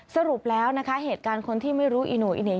สรุปแล้วนะคะเหตุการณ์คนที่ไม่รู้อีโน่อีเหน่